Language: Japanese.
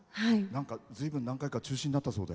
ずいぶん何回か中止になったそうで。